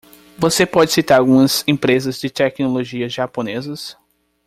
Você pode citar algumas empresas de tecnologia japonesas?